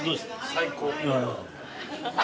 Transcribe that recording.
最高。